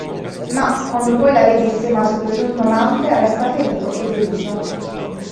Ma, quando poi la vede insieme al suo presunto amante, resta ferito e deluso.